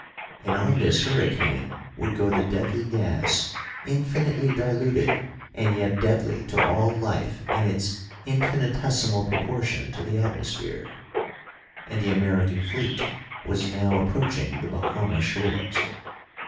And on this hurricane would go the deadly gas, infinitely diluted, and yet deadly to all life in its infinitesimal proportion to the atmosphere. And the American fleet was now approaching the Bahama shores.